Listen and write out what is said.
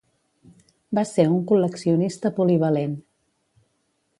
Va ser un col·leccionista polivalent.